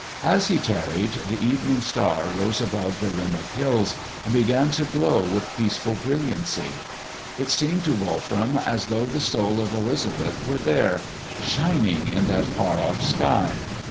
As he tarried, the evening star rose above the rim of hills and began to glow with peaceful brilliancy. It seemed to Wolfram as though the soul of Elizabeth were there, shining in that far off sky.